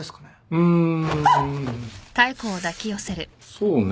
そうね。